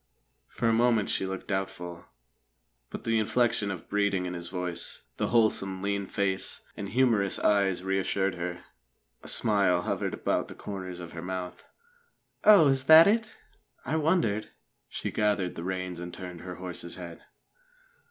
For a moment she looked doubtful; but the inflection of breeding in his voice, the wholesome, lean face and humorous eyes, reassured her. A smile hovered about the corners of her mouth. "Oh, is that it? I wondered ..." She gathered the reins and turned her horse's head.